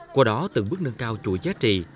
qua đó từng bước nâng cao chuỗi giá trị